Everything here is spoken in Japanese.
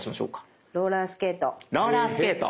え⁉ローラースケート。